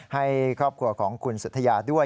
ให้ครอบครัวของคุณสุธยาด้วย